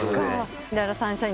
『ララサンシャイン』